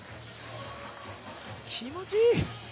気持ちいい。